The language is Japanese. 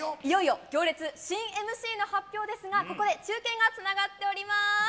いよいよ行列新ＭＣの発表ですが、ここで中継がつながっております。